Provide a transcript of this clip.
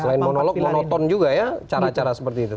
selain monolog monoton juga ya cara cara seperti itu